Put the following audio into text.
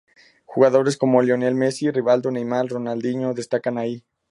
Jugadores como Lionel Messi, Rivaldo, Neymar, Ronaldinho destacan ahí.